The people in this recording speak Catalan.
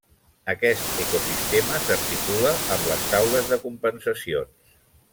Aquest ecosistema s'articula amb les taules de compensacions.